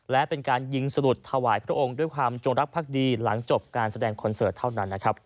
และเป็นการยิงสลุดถวายพระองค์ด้วยความจงรักภักดีหลังจบการแสดงคอนเสิร์ตเท่านั้นนะครับ